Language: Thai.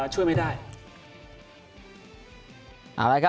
ช่วยไม่ได้